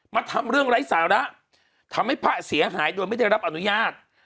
ทำเรื่องไร้สาระทำให้พระเสียหายโดยไม่ได้รับอนุญาต